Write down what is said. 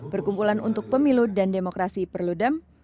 perkumpulan untuk pemilu dan demokrasi perludem